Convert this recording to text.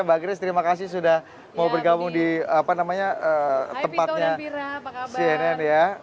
mbak grace terima kasih sudah mau bergabung di tempatnya cnn ya